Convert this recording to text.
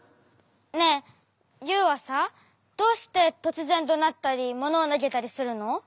ねえユウはさどうしてとつぜんどなったりものをなげたりするの？